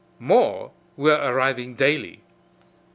More were arriving daily.